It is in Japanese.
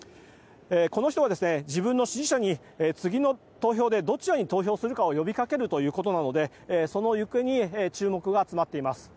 この人は自分の支持者に次の投票でどちらに投票するか呼びかけるということなのでその行方に注目が集まっています。